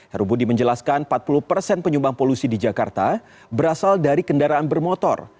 heru budi menjelaskan empat puluh persen penyumbang polusi di jakarta berasal dari kendaraan bermotor